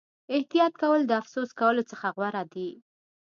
احتیاط کول د افسوس کولو څخه غوره دي.